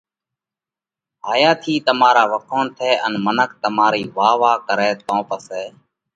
هائِيا ٿِي تمارا وکوڻ ٿئہ ان منک تمارئِي واه واه ڪرئہ تو پسئہ